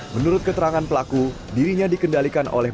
menurut keterangan pelaku dirinya dikendalikan oleh